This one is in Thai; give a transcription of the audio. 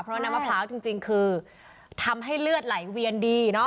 เพราะน้ำมะพร้าวจริงคือทำให้เลือดไหลเวียนดีเนาะ